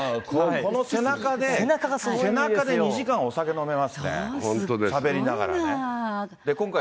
この背中で２時間お酒飲めますね、しゃべりながらね。